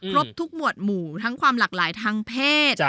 ครบทุกหมวดหมู่ทั้งความหลากหลายทางเพศ